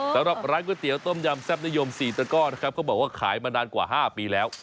ใส่ตะกอลนะครับก็บอกว่าขายมานานกว่า๕ปีแล้ว